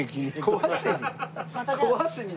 壊しに。